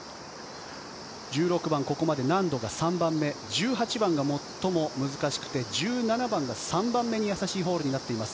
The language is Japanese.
１６番ここまで難度が３番目１８番が最も難しくて１７番が３番目に易しいホールになっています。